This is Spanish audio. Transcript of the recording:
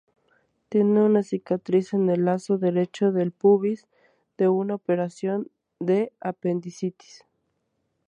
Tiene una cicatriz en el lado derecho del pubis de una operación de apendicitis.